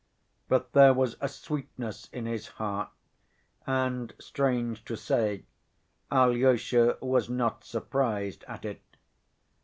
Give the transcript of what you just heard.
But there was a sweetness in his heart and, strange to say, Alyosha was not surprised at it.